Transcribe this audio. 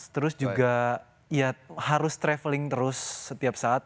terus juga ya harus traveling terus setiap saat